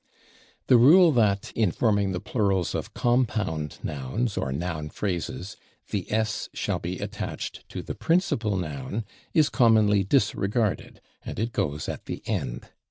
The rule that, in forming the plurals of compound nouns or noun phrases, the / s/ shall be attached to the principal noun is commonly disregarded, and it goes at the end.